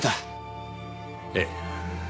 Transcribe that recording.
ええ。